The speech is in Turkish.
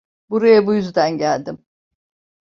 Buraya bu yüzden geldim.